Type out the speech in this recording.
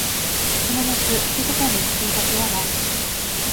その夏、どこかに行く計画はない。